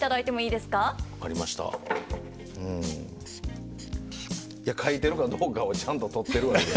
いや書いてるかどうかをちゃんと撮ってるわけや。